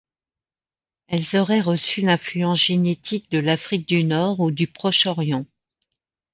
Elles auraient reçu l'influence génétique de l'Afrique du Nord ou du Proche-Orient.